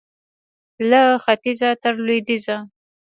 له ختیځه تر لوېدیځه